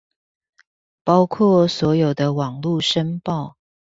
包括所有的網路申報